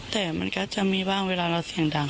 แต่มันก็จะมีบ้างเวลาเราเสียงดัง